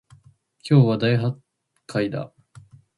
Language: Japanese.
今日は大発会だ